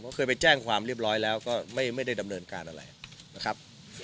เพราะเคยไปแจ้งความเรียบร้อยแล้วก็ไม่ได้ดำเนินการอะไรนะครับ